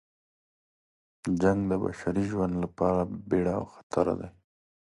جنګ د بشري ژوند لپاره بیړه او خطر ده.